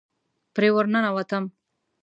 پرې ورننوتم.